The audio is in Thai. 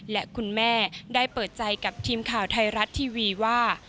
และคุณแม่ได้เปิดใจกับทีมข่าวไทยรัฐทีวีว่า